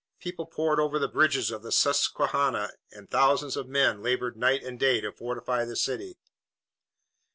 People poured over the bridges of the Susquehanna and thousands of men labored night and day to fortify the city.